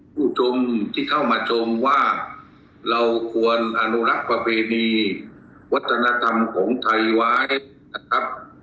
ผู้ชมที่เข้ามาชมว่าเราควรอนุรักษ์ประเพณีวัฒนธรรมของไทยไว้นะครับ